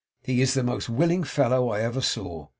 He is the most willing fellow I ever saw.